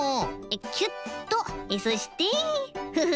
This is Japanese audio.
キュッとそしてフフ。